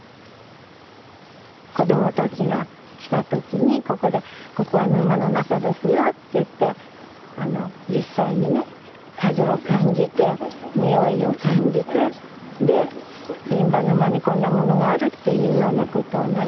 子供たちが来た時にここでここは沼の中ですよっていってあの実際にね風を感じて匂いを感じてで印旛沼にこんなものがあるっていうようなことをね